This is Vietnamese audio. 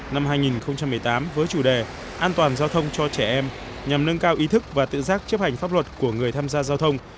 năm hai nghìn một mươi tám với chủ đề an toàn giao thông cho trẻ em nhằm nâng cao ý thức và tự giác chấp hành pháp luật của người tham gia giao thông